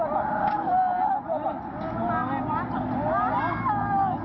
เร็วเร็วเร็ว